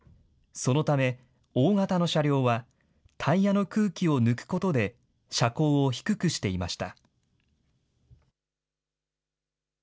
そのため、大型の車両はタイヤの空気を抜くことで、車高を低くしていました。